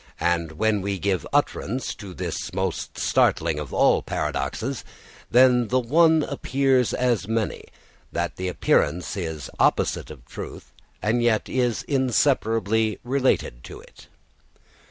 And then we give utterance to this most startling of all paradoxes, that the One appears as many, that the appearance is the opposite of truth and yet is inseparably related to it.